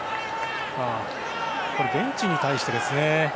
ベンチに対してですね。